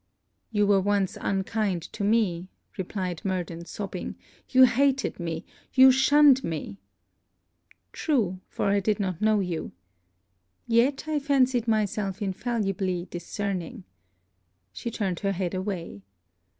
'You were once unkind to me,' replied Murden, sobbing, 'you hated me! you shunned me!' 'True, for I did not know you. Yet, I fancied myself infallibly discerning.' She turned her head away.